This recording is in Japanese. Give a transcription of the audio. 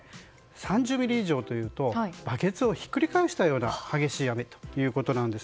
３０ミリ以上というとバケツをひっくり返したような激しい雨ということです。